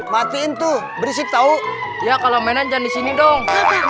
matiin tuh berisik tahu ya kalau mainan jangan di sini dong